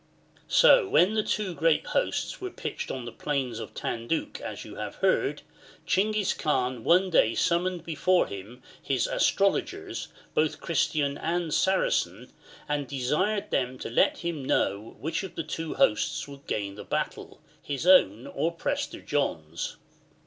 ^ So when the two great hosts were pitched on the plains of Tanduc as you have heard, Chinghis Kaan one day summoned before him his astrologers, both Christians and Saracens, and desired them to let him know which of the two hosts would gain the battle, his own or Prester John's.